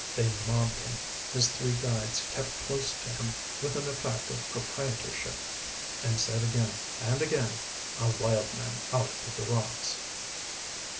They mobbed him. His three guides kept close to him with an effect of proprietorship, and said again and again, "A wild man out of the rocks."